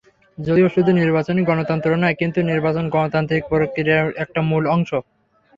যদিও শুধু নির্বাচনই গণতন্ত্র নয়, কিন্তু নির্বাচন গণতান্ত্রিক প্রক্রিয়ার একটা মূল অংশ।